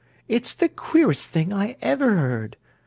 _ It's the queerest thing I ever heard!